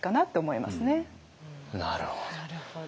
なるほど。